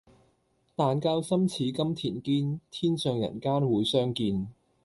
但教心似金鈿堅，天上人間會相見。